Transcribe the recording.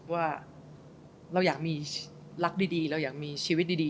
ว่าเราอยากมีรักดีเราอยากมีชีวิตดี